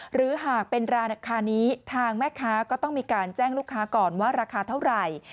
หรือหากเป็นราคานี้ทางแม่ค้าก็ต้องมีการแจ้งลูกค้าก่อนว่าราคาเท่าไหร่